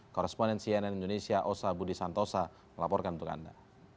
koresponden cnn indonesia osa budi santosa melaporkan untuk anda